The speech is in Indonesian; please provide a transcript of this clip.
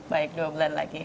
baik dua bulan lagi